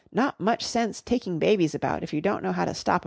Not much sense taking babies about if you don't know how to stop 'em crying!"